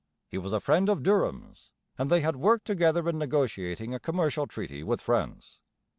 He was a friend of Durham's, and they had worked together in negotiating a commercial treaty with France.